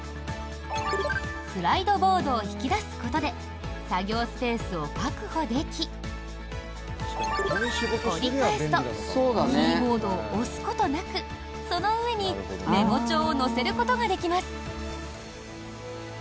スライドボードを引き出すことで作業スペースを確保でき折り返すとキーボードを押すことなくその上にメモ帳を乗せることができます。